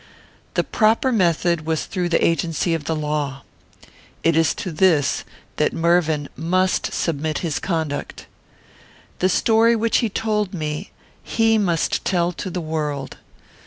The proper method was through the agency of the law. It is to this that Mervyn must submit his conduct. The story which he told to me he must tell to the world.